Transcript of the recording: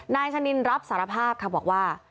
นายชะนินรับสารภาพค่ะบอกว่า